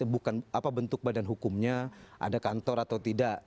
bukan apa bentuk badan hukumnya ada kantor atau tidak